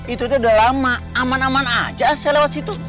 itu udah lama aman aman aja saya lewat situ